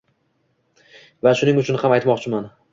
va shuning uchun ham aytmoqchiman.